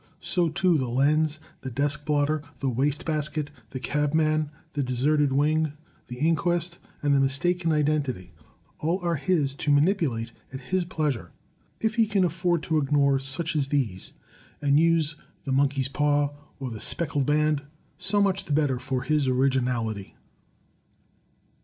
So, too, the Lens, the Desk Blotter, the Waste Basket, the Cabman, the Deserted Wing, the Inquest, and the Mistaken Identity, — all are his, to manipulate at his pleasure. If he can afford to ignore such as these, and use The Mon key's Paw, or The Speckled Band, so much the better for his originality.